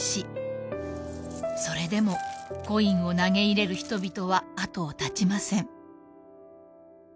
［それでもコインを投げ入れる人々は後を絶ちません］